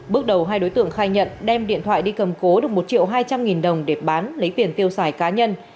bước đầu hai đối tượng khai nhận đem điện thoại đi cầm cố được một triệu hai trăm linh nghìn đồng để bán lấy tiền tiêu xài cá nhân